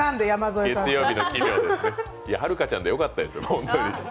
いや、はるかちゃんでよかったですよ。